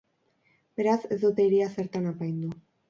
Beraz, ez dute hiria zertan apaindu.